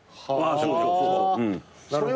そうそう。